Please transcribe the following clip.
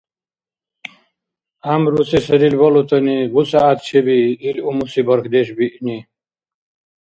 ГӀямру се сарил балутани бусягӀят чебии ил умуси бархьдеш биъни.